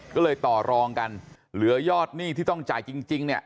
ก็เลยต่อรองกันเหลือยอดหนี้ที่ต้องจ่ายจริงเนี่ย